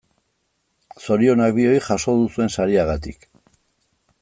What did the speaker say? Zorionak bioi jaso duzuen sariagatik.